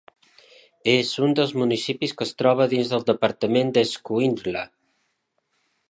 És un dels municipis que es troba dins del Departament d'Escuintla.